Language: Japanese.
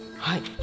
はい。